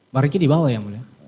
pak riki dibawah ya mulia